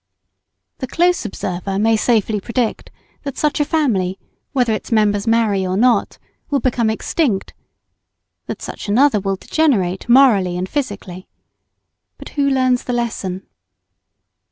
The close observer may safely predict that such a family, whether its members marry or not, will become extinct; that such another will degenerate morally and physically. But who learns the lesson?